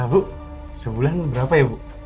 bu sebulan berapa ya bu